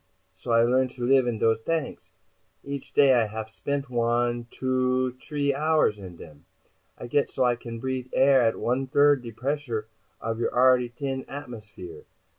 So, I learn to live in dose tanks. Each day I haf spent one, two, three hours in dem. I get so I can breathe air at one third the pressure of your already t'in atmosphere.